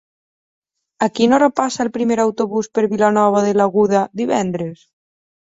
A quina hora passa el primer autobús per Vilanova de l'Aguda divendres?